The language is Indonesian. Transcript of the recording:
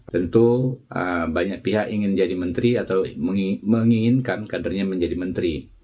tentu banyak pihak ingin jadi menteri atau menginginkan kadernya menjadi menteri